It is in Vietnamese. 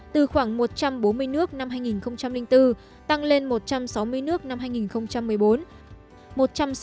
từ khoảng một trăm bốn mươi nước năm hai nghìn bốn tăng lên một trăm sáu mươi nước năm hai nghìn một mươi bốn